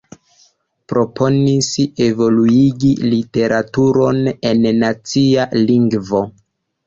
Proponis evoluigi literaturon en nacia lingvo.